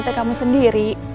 tidak kamu sendiri